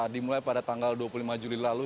dimulai pada tanggal dua puluh lima juli lalu